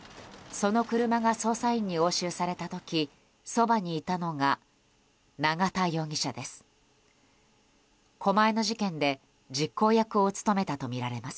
その車が捜査員に押収された時そばにいたのは永田容疑者です。